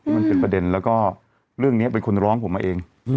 มันเป็นประเด็นแล้วก็เรื่องนี้เป็นคนร้องผมมาเอง